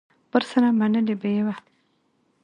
ورسره منلې به یې وه